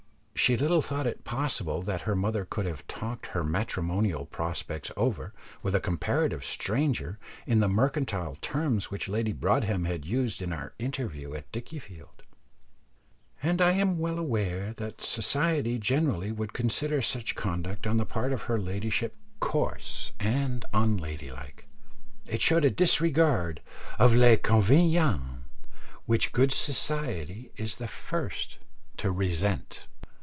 She little thought it possible that her mother could have talked her matrimonial prospects over with a comparative stranger in the mercantile terms which Lady Broadhem had used in our interview at Dickiefield. And I am well aware that society generally would consider such conduct on the part of her ladyship coarse and unladylike. It showed a disregard of les convenances which good society is the first to resent.